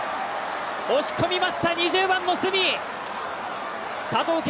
押し込みました、２０番の角！佐藤恵